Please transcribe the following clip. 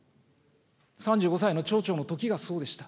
３５歳の町長のときがそうでした。